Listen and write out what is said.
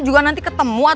juga nanti ketemu